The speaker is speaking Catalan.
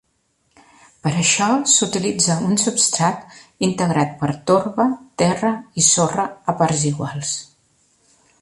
Per a això s'utilitza un substrat integrat per torba, terra i sorra a parts iguals.